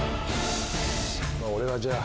俺がじゃあ。